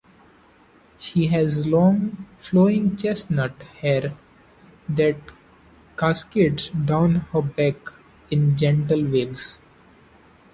She has long, flowing chestnut hair that cascades down her back in gentle waves.